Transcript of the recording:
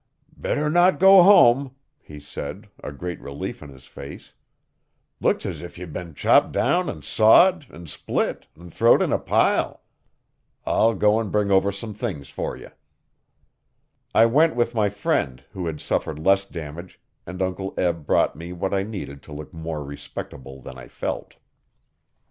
'Better not go hum,' he said, a great relief in his face. 'Look 's if ye'd been chopped down an' sawed an' split an' throwed in a pile. I'll go an' bring over some things fer ye.' I went with my friend, who had suffered less damage, and Uncle Eb brought me what I needed to look more respectable than I felt.